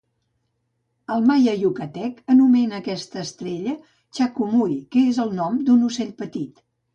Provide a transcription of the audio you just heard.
El maia yucatec anomena aquesta estrella "chakumuy", que és el nom d'un ocell petit.